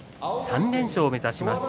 ３連勝を目指します。